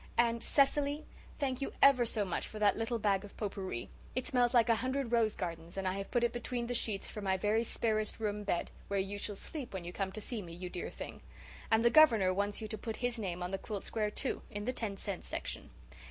And, Cecily, thank you ever so much for that little bag of pot pourri. It smells like a hundred rose gardens, and I have put it between the sheets for my very sparest room bed, where you shall sleep when you come to see me, you dear thing. And the Governor wants you to put his name on the quilt square, too, in the ten cent section.